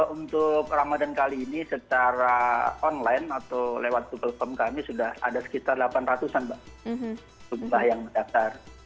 untuk ramadan kali ini secara online atau lewat google form kami sudah ada sekitar delapan ratus an pak jumlah yang mendaftar